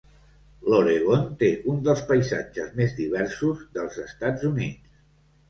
L'Oregon té un dels paisatges més diversos dels Estats Units.